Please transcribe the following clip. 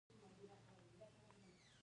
د جوارو دانه جوشانده کیږي.